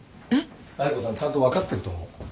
妙子さんちゃんと分かってると思う。